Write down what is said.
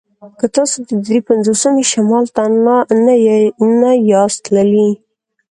که تاسې د دري پنځوسمې شمال ته نه یاست تللي